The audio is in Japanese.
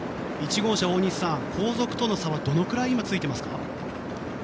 １号車、大西さん後続との差はどのくらいついていますか。